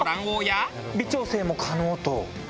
微調整も可能と。